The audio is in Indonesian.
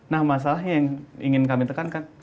nah masalahnya yang ingin kami tekankan